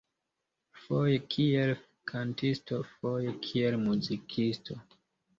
Foje kiel kantisto foje kiel muzikisto.